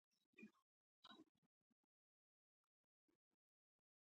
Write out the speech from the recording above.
ایا زه باید د مننجیت واکسین وکړم؟